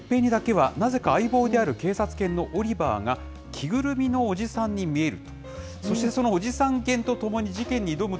主人公の一平にだけは、なぜか相棒である警察犬のオリバーが、着ぐるみのおじさんに見える。